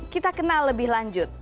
kita kenal lebih lanjut